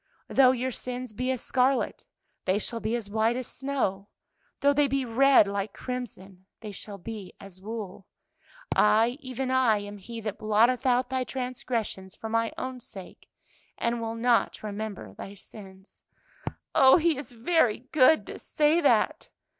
"'Though your sins be as scarlet, they shall be as white as snow; though they be red like crimson, they shall be as wool.' "'I, even I, am He that blotteth out thy transgressions for my own sake, and will not remember thy sins.'" "Oh, He is very good to say that!"